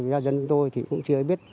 và dân chúng tôi cũng chưa biết